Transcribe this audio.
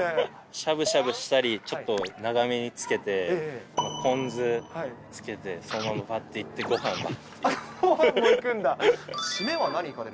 しゃぶしゃぶしたり、ちょっと長めにつけて、ポン酢つけてそのままぱっと行って、ごはんも食べる。